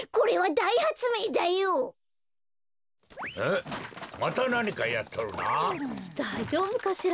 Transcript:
だいじょうぶかしら。